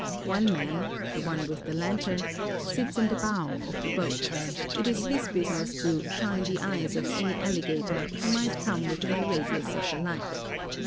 One man—the one with the lantern—sits in the bow of the boat; it is his business to "shine the eyes" of any alligator who might come within the radius of the light.